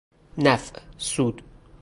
نفع سود